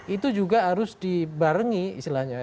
itu juga harus dibarengi istilahnya